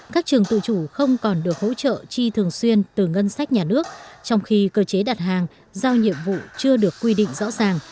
các trường tự chủ không còn được hỗ trợ chi thường xuyên từ ngân sách nhà nước trong khi cơ chế đặt hàng giao nhiệm vụ chưa được quy định rõ ràng